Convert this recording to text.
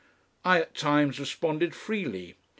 I at times responded freely.